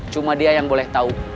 cuma dia yang boleh tahu